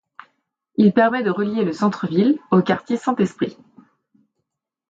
Il permet de relier le centre ville au quartier Saint-Esprit.